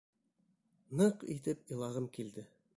Ныҡ итеп илағым килде.